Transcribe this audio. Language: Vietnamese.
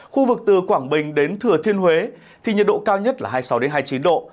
khu vực từ quảng bình đến thừa thiên huế thì nhiệt độ cao nhất là hai mươi sáu hai mươi chín độ